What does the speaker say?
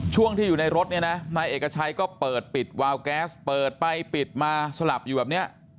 ช่วงที่อยู่ในรถเนี่ยนะนายเอกชัยก็เปิดปิดวาวแก๊สเปิดไปปิดมาสลับอยู่แบบนี้